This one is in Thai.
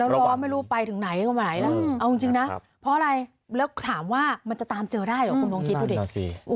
ล้อไม่รู้ไปถึงไหนก็มาไหนล่ะเอาจริงนะเพราะอะไรแล้วถามว่ามันจะตามเจอได้เหรอคุณลองคิดดูดิ